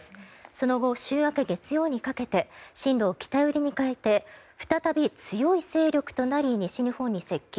その後、週明け月曜にかけて進路を北寄りに変えて再び強い勢力となり西日本に接近。